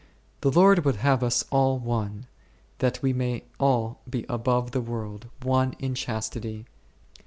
The Lord would have us all one, that we may all be above the world, one in chastity, i St. John xiv.